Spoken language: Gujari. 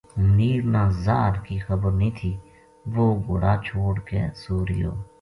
منیر نا زاہر کی خبرنیہہ تھی وہ گھوڑا چھوڈ کے سو رہیو